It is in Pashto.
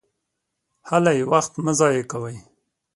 هلئ! وخت مه ضایع کوئ!